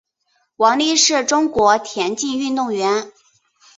王丽是中国田径运动员。